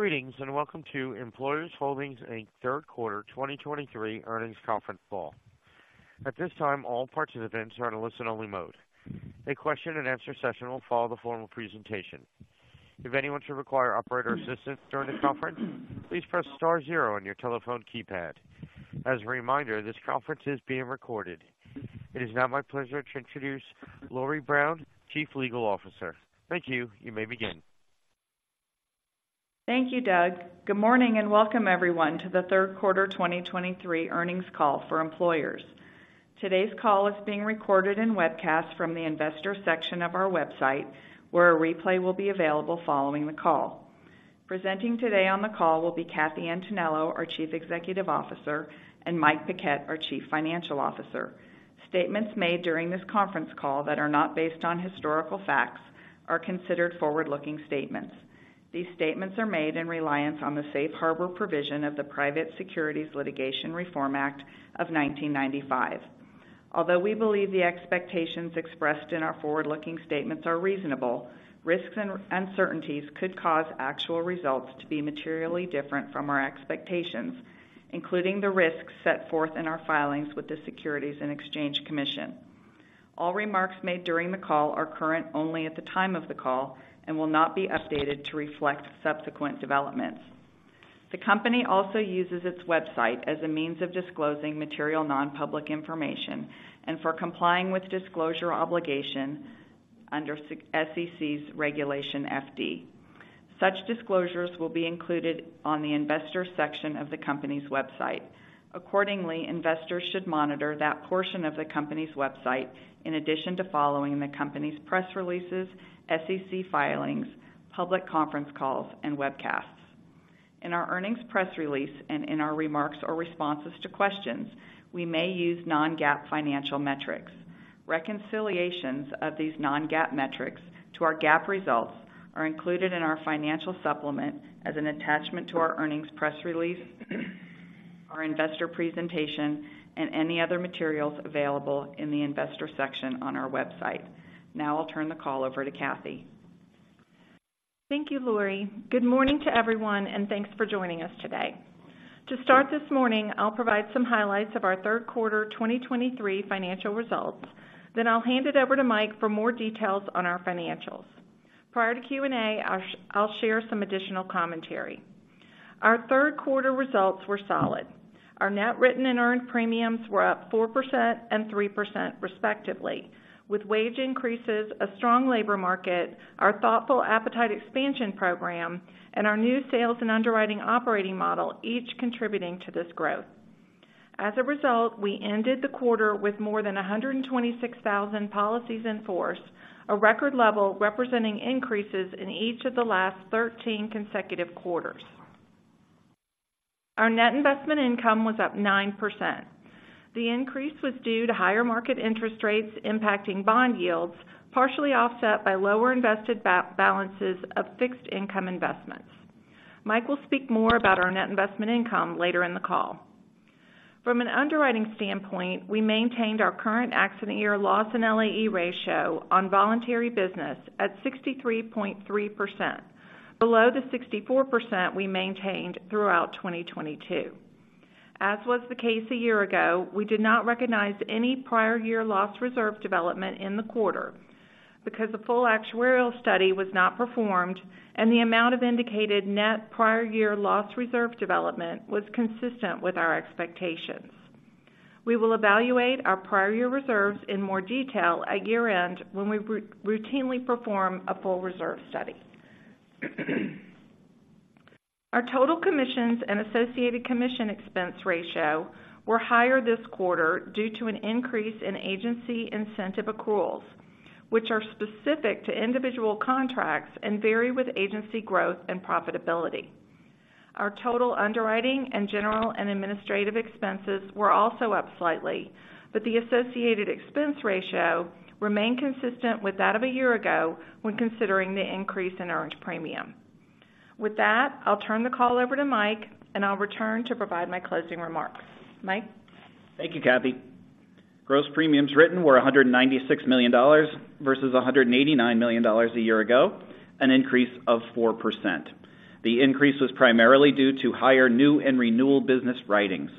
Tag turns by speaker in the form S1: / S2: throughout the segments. S1: Greetings, and welcome to Employers Holdings Inc Third Quarter 2023 Earnings Conference Call. At this time, all participants are in a listen-only mode. A question-and-answer session will follow the formal presentation. If anyone should require operator assistance during the conference, please press star zero on your telephone keypad. As a reminder, this conference is being recorded. It is now my pleasure to introduce Lori Brown, Chief Legal Officer. Thank you. You may begin.
S2: Thank you, Doug. Good morning, and welcome everyone to the Third Quarter 2023 Earnings Call for Employers. Today's call is being recorded and webcast from the Investors section of our website, where a replay will be available following the call. Presenting today on the call will be Kathy Antonello, our Chief Executive Officer, and Mike Paquette, our Chief Financial Officer. Statements made during this conference call that are not based on historical facts are considered forward-looking statements. These statements are made in reliance on the safe harbor provision of the Private Securities Litigation Reform Act of 1995. Although we believe the expectations expressed in our forward-looking statements are reasonable, risks and uncertainties could cause actual results to be materially different from our expectations, including the risks set forth in our filings with the Securities and Exchange Commission. All remarks made during the call are current only at the time of the call and will not be updated to reflect subsequent developments. The Company also uses its website as a means of disclosing material non-public information and for complying with disclosure obligation under the SEC's Regulation FD. Such disclosures will be included on the Investors section of the Company's website. Accordingly, investors should monitor that portion of the company's website in addition to following the Company's press releases, SEC filings, public conference calls, and webcasts. In our earnings press release and in our remarks or responses to questions, we may use non-GAAP financial metrics. Reconciliations of these non-GAAP metrics to our GAAP results are included in our financial supplement as an attachment to our earnings press release, our investor presentation, and any other materials available in the Investor section on our website. Now I'll turn the call over to Kathy.
S3: Thank you, Lori. Good morning to everyone, and thanks for joining us today. To start this morning, I'll provide some highlights of our third quarter 2023 financial results, then I'll hand it over to Mike for more details on our financials. Prior to Q&A, I'll share some additional commentary. Our third quarter results were solid. Our net written and earned premiums were up 4% and 3%, respectively, with wage increases, a strong labor market, our thoughtful appetite expansion program, and our new sales and underwriting operating model, each contributing to this growth. As a result, we ended the quarter with more than 126,000 policies in force, a record level representing increases in each of the last 13 consecutive quarters. Our net investment income was up 9%. The increase was due to higher market interest rates impacting bond yields, partially offset by lower invested balances of fixed income investments. Mike will speak more about our net investment income later in the call. From an underwriting standpoint, we maintained our current accident year loss and LAE ratio on voluntary business at 63.3%, below the 64% we maintained throughout 2022. As was the case a year ago, we did not recognize any prior year loss reserve development in the quarter because the full actuarial study was not performed and the amount of indicated net prior year loss reserve development was consistent with our expectations. We will evaluate our prior year reserves in more detail at year-end when we routinely perform a full reserve study. Our total commissions and associated commission expense ratio were higher this quarter due to an increase in agency incentive accruals, which are specific to individual contracts and vary with agency growth and profitability. Our total underwriting and general and administrative expenses were also up slightly, but the associated expense ratio remained consistent with that of a year ago when considering the increase in earned premium. With that, I'll turn the call over to Mike, and I'll return to provide my closing remarks. Mike?
S4: Thank you, Kathy. Gross premiums written were $196 million versus $189 million a year ago, an increase of 4%. The increase was primarily due to higher new and renewal business writings.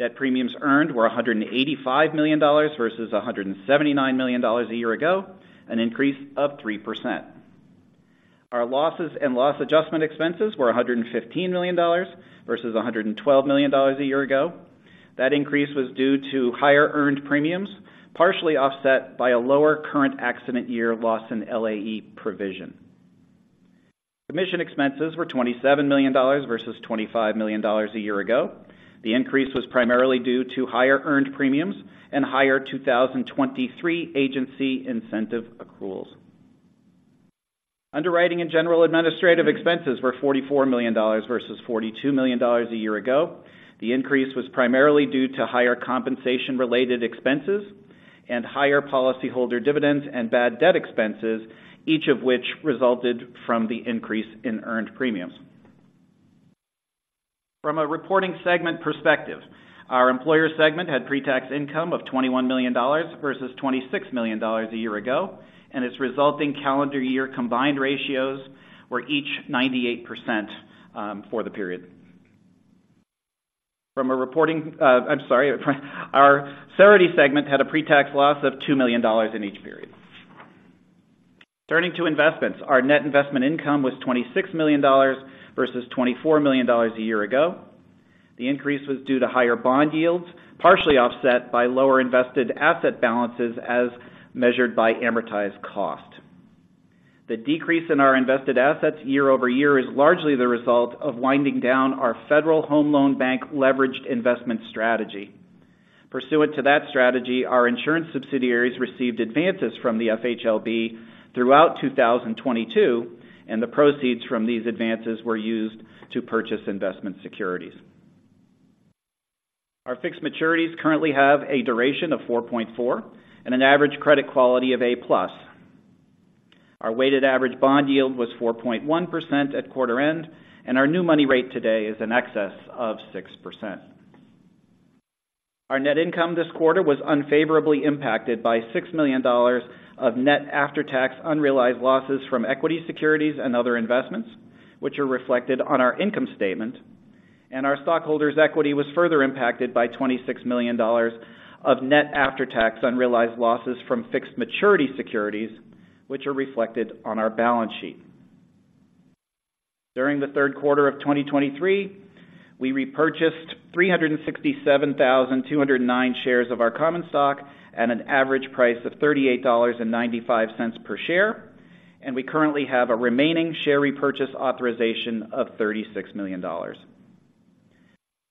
S4: Net premiums earned were $185 million versus $179 million a year ago, an increase of 3%. Our losses and loss adjustment expenses were $115 million versus $112 million a year ago. That increase was due to higher earned premiums, partially offset by a lower current accident year loss and LAE provision. Commission expenses were $27 million versus $25 million a year ago. The increase was primarily due to higher earned premiums and higher 2023 agency incentive accruals. Underwriting and general administrative expenses were $44 million versus $42 million a year ago. The increase was primarily due to higher compensation related expenses and higher policyholder dividends and bad debt expenses, each of which resulted from the increase in earned premiums. From a reporting segment perspective, our Employers segment had pretax income of $21 million versus $26 million a year ago, and its resulting calendar year combined ratios were each 98%, for the period. Our Cerity segment had a pretax loss of $2 million in each period. Turning to investments. Our net investment income was $26 million versus $24 million a year ago. The increase was due to higher bond yields, partially offset by lower invested asset balances as measured by amortized cost. The decrease in our invested assets year-over-year is largely the result of winding down our Federal Home Loan Bank leveraged investment strategy. Pursuant to that strategy, our insurance subsidiaries received advances from the FHLB throughout 2022, and the proceeds from these advances were used to purchase investment securities. Our fixed maturities currently have a duration of 4.4, and an average credit quality of A+. Our weighted average bond yield was 4.1% at quarter end, and our new money rate today is in excess of 6%. Our net income this quarter was unfavorably impacted by $6 million of net after-tax unrealized losses from equity securities and other investments, which are reflected on our income statement, and our stockholders' equity was further impacted by $26 million of net after-tax unrealized losses from fixed maturity securities, which are reflected on our balance sheet. During the third quarter of 2023, we repurchased 367,209 shares of our common stock at an average price of $38.95 per share, and we currently have a remaining share repurchase authorization of $36 million.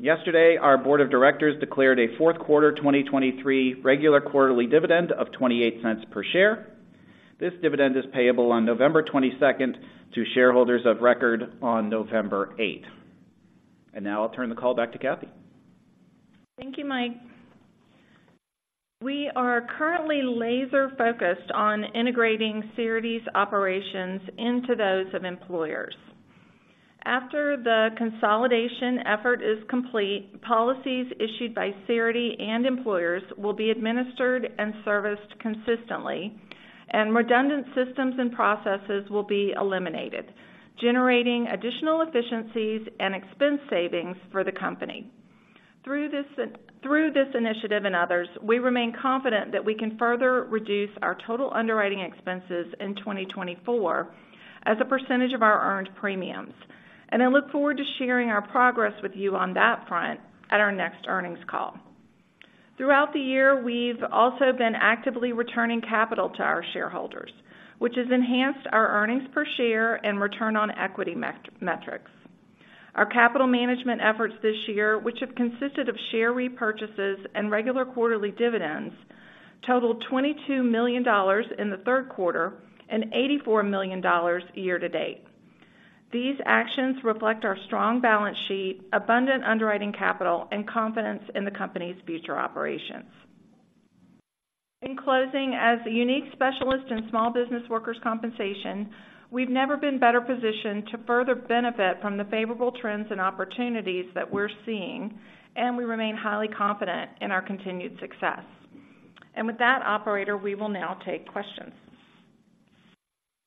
S4: Yesterday, our board of directors declared a fourth quarter 2023 regular quarterly dividend of $0.28 per share. This dividend is payable on November 22nd, to shareholders of record on November 8. Now I'll turn the call back to Kathy.
S3: Thank you, Mike. We are currently laser focused on integrating Cerity's operations into those of Employers. After the consolidation effort is complete, policies issued by Cerity and Employers will be administered and serviced consistently, and redundant systems and processes will be eliminated, generating additional efficiencies and expense savings for the Company. Through this initiative and others, we remain confident that we can further reduce our total underwriting expenses in 2024 as a percentage of our earned premiums. I look forward to sharing our progress with you on that front at our next earnings call. Throughout the year, we've also been actively returning capital to our shareholders, which has enhanced our earnings per share and return on equity metrics. Our capital management efforts this year, which have consisted of share repurchases and regular quarterly dividends, totaled $22 million in the third quarter and $84 million year-to-date. These actions reflect our strong balance sheet, abundant underwriting capital, and confidence in the Company's future operations. In closing, as a unique specialist in small business workers' compensation, we've never been better positioned to further benefit from the favorable trends and opportunities that we're seeing, and we remain highly confident in our continued success. And with that, operator, we will now take questions.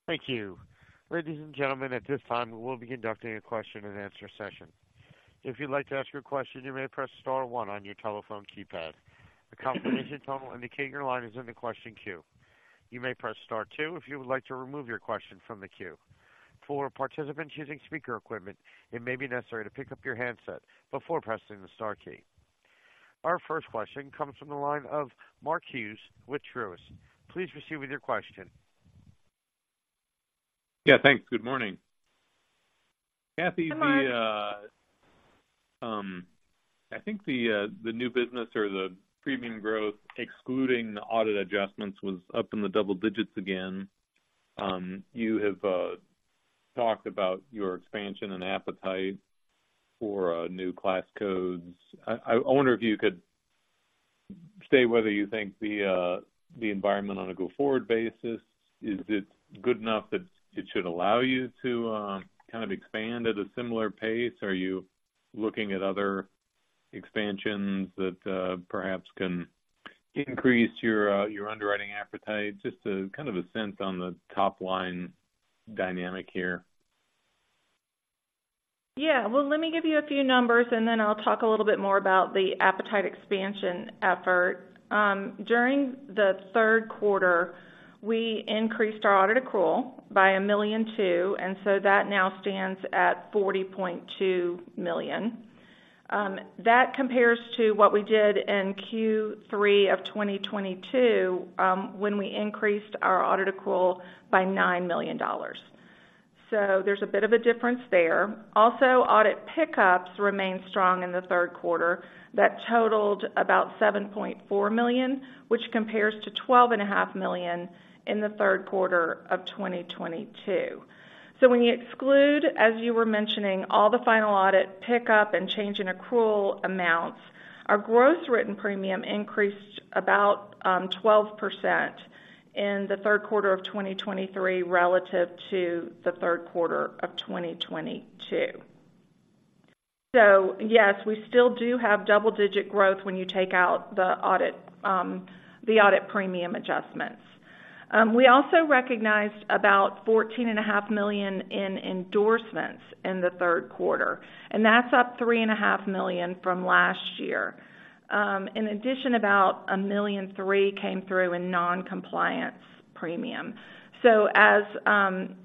S1: Thank you. Ladies and gentlemen, at this time, we'll be conducting a question-and-answer session. If you'd like to ask a question, you may press star one on your telephone keypad. A confirmation tone will indicate your line is in the question queue. You may press star two if you would like to remove your question from the queue. For participants using speaker equipment, it may be necessary to pick up your handset before pressing the star key. Our first question comes from the line of Mark Hughes with Truist. Please proceed with your question.
S5: Yeah, thanks. Good morning. Kathy, the...
S3: Hi, Mark.
S5: I think the new business or the premium growth, excluding the audit adjustments, was up in the double digits again. You have talked about your expansion and appetite for new class codes. I wonder if you could state whether you think the environment on a go-forward basis is good enough that it should allow you to kind of expand at a similar pace? Are you looking at other expansions that perhaps can increase your underwriting appetite? Just to kind of a sense on the topline dynamic here.
S3: Yeah. Well, let me give you a few numbers, and then I'll talk a little bit more about the appetite expansion effort. During the third quarter, we increased our audit accrual by $1.2 million, and so that now stands at $40.2 million. That compares to what we did in Q3 of 2022, when we increased our audit accrual by $9 million. So there's a bit of a difference there. Also, audit pickups remained strong in the third quarter. That totaled about $7.4 million, which compares to $12.5 million in the third quarter of 2022. When you exclude, as you were mentioning, all the final audit pickup and change in accrual amounts, our gross written premium increased about 12% in the third quarter of 2023 relative to the third quarter of 2022. Yes, we still do have double-digit growth when you take out the audit, the audit premium adjustments. We also recognized about $14.5 million in endorsements in the third quarter, and that's up $3.5 million from last year. In addition, about $1.3 million came through in non-compliance premium. As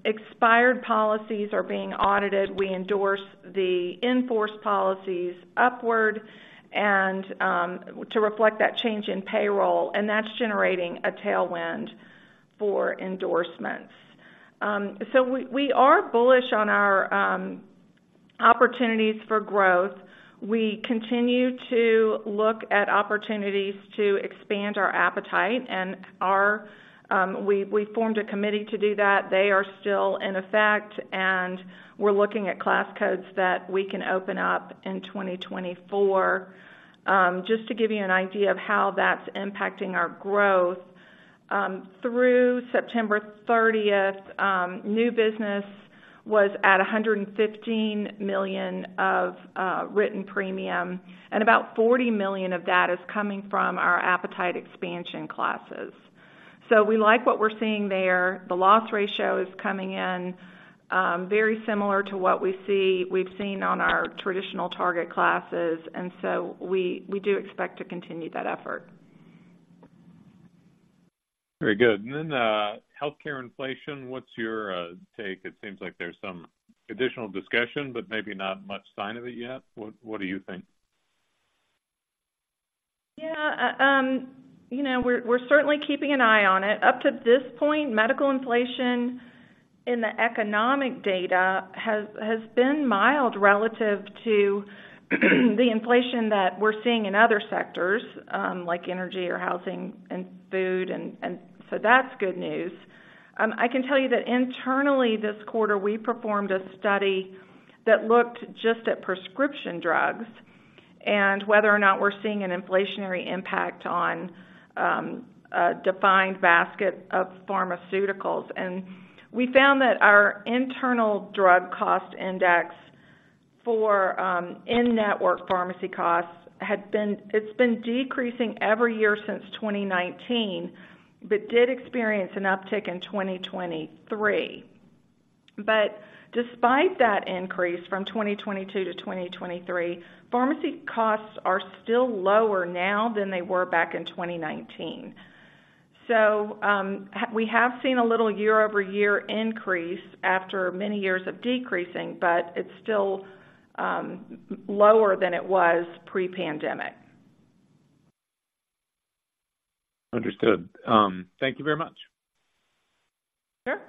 S3: expired policies are being audited, we endorse the in-force policies upward to reflect that change in payroll, and that's generating a tailwind for endorsements. We are bullish on our opportunities for growth. We continue to look at opportunities to expand our appetite and our -- we formed a committee to do that. They are still in effect, and we're looking at class codes that we can open up in 2024. Just to give you an idea of how that's impacting our growth, through September 30, new business was at $115 million of written premium, and about $40 million of that is coming from our appetite expansion classes. So we like what we're seeing there. The loss ratio is coming in very similar to what we see, we've seen on our traditional target classes, and so we do expect to continue that effort.
S5: Very good. And then, healthcare inflation, what's your take? It seems like there's some additional discussion, but maybe not much sign of it yet. What, what do you think?
S3: Yeah, you know, we're, we're certainly keeping an eye on it. Up to this point, medical inflation in the economic data has been mild relative to the inflation that we're seeing in other sectors, like energy or housing and food and, and so that's good news. I can tell you that internally, this quarter, we performed a study that looked just at prescription drugs and whether or not we're seeing an inflationary impact on a defined basket of pharmaceuticals. And we found that our internal drug cost index for in-network pharmacy costs had been -- it's been decreasing every year since 2019, but did experience an uptick in 2023. But despite that increase from 2022 to 2023, pharmacy costs are still lower now than they were back in 2019. So, we have seen a little year-over-year increase after many years of decreasing, but it's still lower than it was pre-pandemic.
S5: Understood. Thank you very much.
S3: Sure.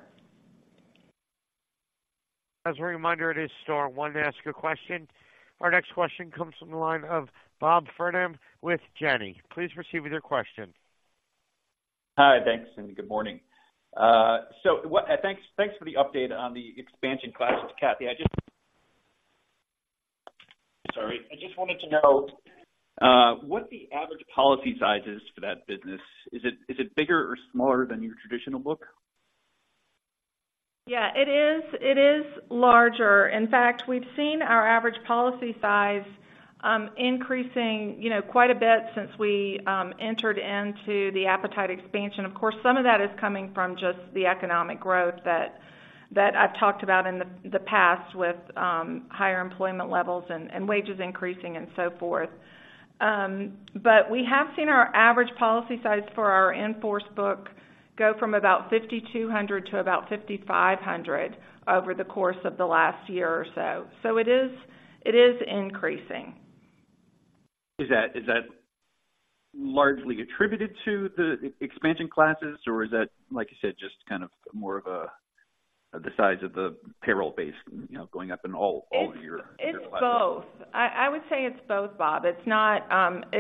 S1: As a reminder, it is star one to ask a question. Our next question comes from the line of Bob Farnam with Janney. Please proceed with your question.
S6: Hi. Thanks, and good morning. So thanks, thanks for the update on the expansion classes, Kathy. I just wanted to know, what the average policy size is for that business. Is it bigger or smaller than your traditional book?
S3: Yeah, it is larger. In fact, we've seen our average policy size increasing, you know, quite a bit since we entered into the appetite expansion. Of course, some of that is coming from just the economic growth that I've talked about in the past, with higher employment levels and wages increasing, and so forth. But we have seen our average policy size for our in-force book go from about $5,200 to about $5,500 over the course of the last year or so. So it is, it is increasing.
S6: Is that largely attributed to the expansion classes or is that, like you said, just kind of more of the size of the payroll base, you know, going up in all your [asset] classes?
S3: It's both. I would say it's both, Bob. It's not --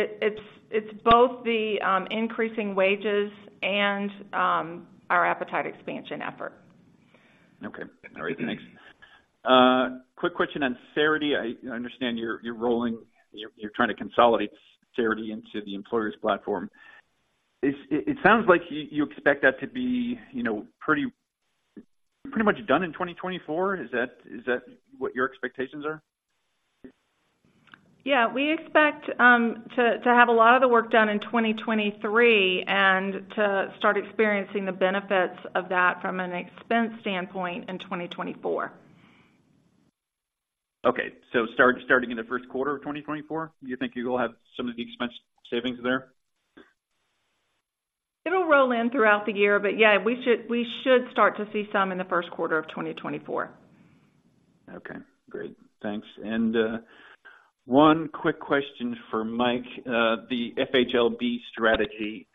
S3: It's both the increasing wages and our appetite expansion effort.
S6: Okay. All right. Thanks. Quick question on Cerity. I understand you're rolling -- you're trying to consolidate Cerity into the Employers platform. It sounds like you expect that to be, you know, pretty much done in 2024. Is that what your expectations are?
S3: Yeah, we expect to have a lot of the work done in 2023 and to start experiencing the benefits of that from an expense standpoint in 2024.
S6: Okay. So starting in the first quarter of 2024, do you think you will have some of the expense savings there?
S3: It'll roll in throughout the year, but yeah, we should start to see some in the first quarter of 2024.
S6: Okay, great. Thanks. And one quick question for Mike. The FHLB strategy,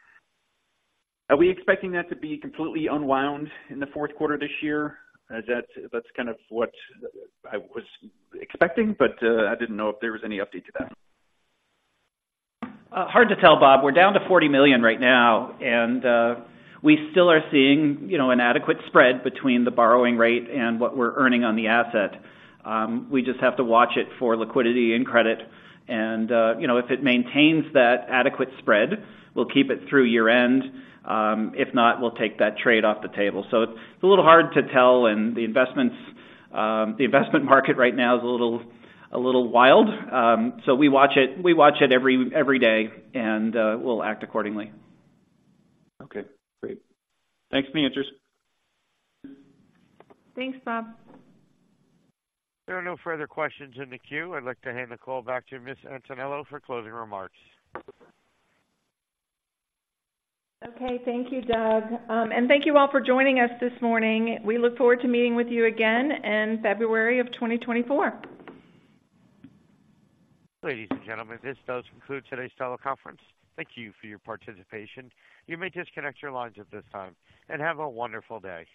S6: are we expecting that to be completely unwound in the fourth quarter this year? That's kind of what I was expecting, but I didn't know if there was any update to that.
S4: Hard to tell, Bob. We're down to $40 million right now, and we still are seeing, you know, an adequate spread between the borrowing rate and what we're earning on the asset. We just have to watch it for liquidity and credit and, you know, if it maintains that adequate spread, we'll keep it through year-end. If not, we'll take that trade off the table. So it's a little hard to tell. And the investments -- the investment market right now is a little wild. So we watch it every day, and we'll act accordingly.
S6: Okay, great. Thanks for the answers.
S3: Thanks, Bob.
S1: There are no further questions in the queue. I'd like to hand the call back to Ms. Antonello for closing remarks.
S3: Okay, thank you, Doug. Thank you all for joining us this morning. We look forward to meeting with you again in February of 2024.
S1: Ladies and gentlemen, this does conclude today's teleconference. Thank you for your participation. You may disconnect your lines at this time, and have a wonderful day.